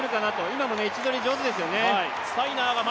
今も位置取り、上手ですよね。